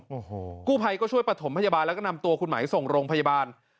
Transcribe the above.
โอ้โหกู้ภัยก็ช่วยประถมพยาบาลแล้วก็นำตัวคุณไหมส่งโรงพยาบาล